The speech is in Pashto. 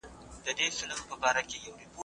باغونه زر لري خو شل پکښي سمسور نه لري